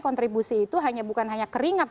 kontribusi itu hanya bukan hanya keringat